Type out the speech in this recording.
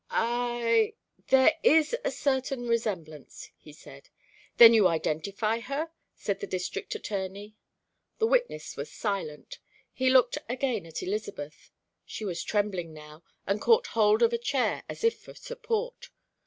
"I there is a certain resemblance," he said. "Then you identify her?" said the District Attorney. The witness was silent. He looked again at Elizabeth. She was trembling now, and caught hold of a chair as if for support.